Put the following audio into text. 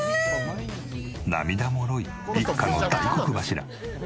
涙もろい一家の大黒柱。